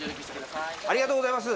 ありがとうございます。